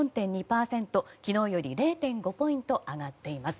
昨日より０．５ポイント上がっています。